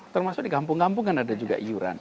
termasuk di kampung kampung kan ada juga iuran